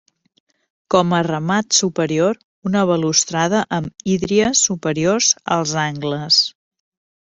Com a remat superior, una balustrada amb hídries superiors als angles.